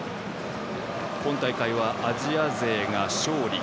今大会はアジア勢が勝利。